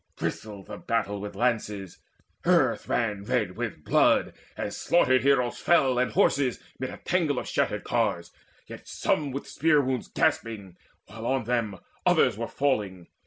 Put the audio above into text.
Bristled the battle with the lances; earth Ran red with blood, as slaughtered heroes fell And horses, mid a tangle of shattered ears, Some yet with spear wounds gasping, while on them Others were falling.